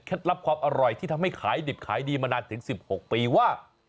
ลับความอร่อยที่ทำให้ขายดิบขายดีมานานถึง๑๖ปีว่า